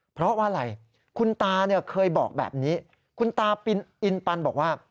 เพราะว่าอะไรคุณตาเนี่ยเคยบอกแบบนี้คุณตาปินอินปันบอกว่า